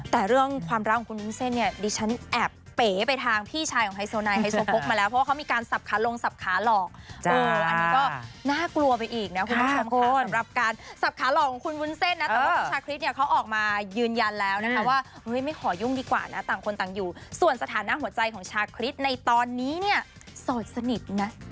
แต่เรื่องความรักของคุณวุ้นเส้นเนี่ยดิฉันแอบเป๋ไปทางพี่ชายของไฮโซไนค์